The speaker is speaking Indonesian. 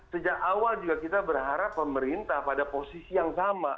sejak awal juga kita berharap pemerintah pada posisi yang sama